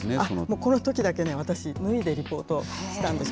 このときだけね、私、脱いでリポートしたんですね。